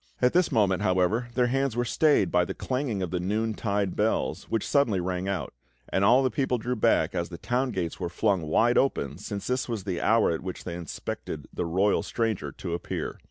At this moment, however, their hands were stayed by the clanging of the noon tide bells, which suddenly rang out; and all the people drew back as the town gates were flung wide open, since this was the hour at which they expected the royal stranger to appear.